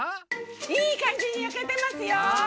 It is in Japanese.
いいかんじに焼けてますよ。